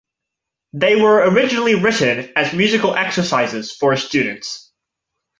They were originally written as musical exercises for his students.